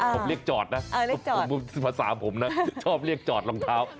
ผมเรียกจอดนะภาษาผมนะชอบเรียกจอดรองเท้า